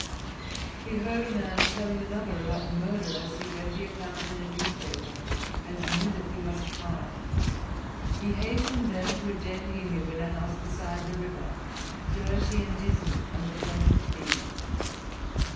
He heard a man telling another about the murder as he read the account in a newspaper, and knew that he must hide. He hastened then to a den he knew in a house beside the river, dirty and dismal and the haunt of thieves.